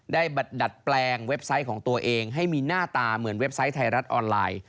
ดัดแปลงเว็บไซต์ของตัวเองให้มีหน้าตาเหมือนเว็บไซต์ไทยรัฐออนไลน์